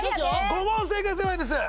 ５問正解すればいいんです。